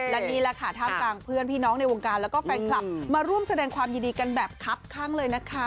และนี่แหละค่ะท่ามกลางเพื่อนพี่น้องในวงการแล้วก็แฟนคลับมาร่วมแสดงความยินดีกันแบบคับข้างเลยนะคะ